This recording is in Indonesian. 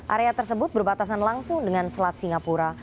area tersebut berbatasan langsung dengan selat singapura